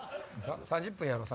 ３０分やろう。